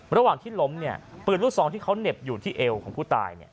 ระหว่างที่ล้มเนี่ยปืนลูกซองที่เขาเหน็บอยู่ที่เอวของผู้ตาย